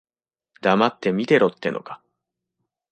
黙って見てろってのか。